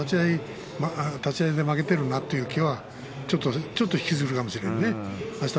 立ち合いで負けているなという気持ちがちょっと引きずるかもしれないね。